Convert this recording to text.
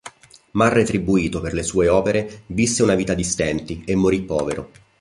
Mal retribuito per le sue opere, visse una vita di senti e morì povero.